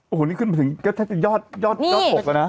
โอ้โฮนี่ขึ้นมาถึงยอด๖แล้วนะ